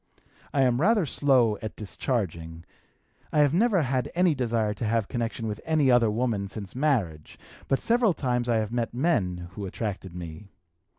I am rather slow at discharging. I have never had any desire to have connection with any other woman since marriage, but several times I have met men who attracted me.